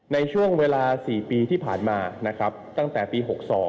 ในช่วงเวลา๔ปีที่ผ่านมานะครับตั้งแต่ปี๖๒